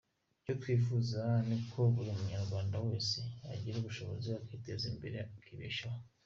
Icyo twifuza ni uko buri Munyarwanda wese yagira ubushobozi, akiteza imbere, akibeshaho.